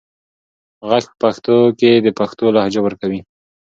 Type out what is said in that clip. غږ په پښتو کې د پښتو لهجه ورکوي.